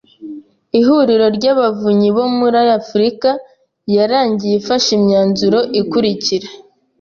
Ihuriro ry Abavunyi bo muri Afurika yarangiye ifashe Imyanzuro ikurikira